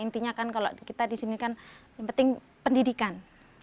intinya kan kalau kita di sini kan yang penting pendidikan